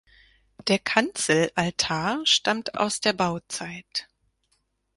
Der Kanzelaltar stammt aus der Bauzeit.